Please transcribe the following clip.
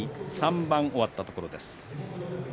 ３番終わったところです。